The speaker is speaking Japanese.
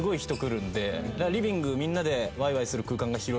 リビングみんなで。